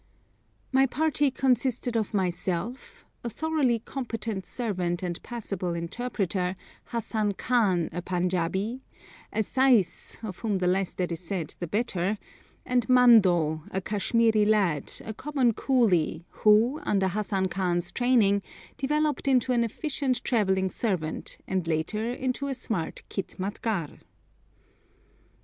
My party consisted of myself, a thoroughly competent servant and passable interpreter, Hassan Khan, a Panjābi; a seis, of whom the less that is said the better; and Mando, a Kashmiri lad, a common coolie, who, under Hassan Khan's training, developed into an efficient travelling servant, and later into a smart khītmatgar.